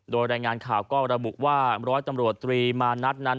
โดยรายงานข่าวก็ระบุว่าร้อยตำรวจตรีมานัดนั้น